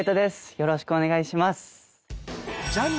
よろしくお願いします。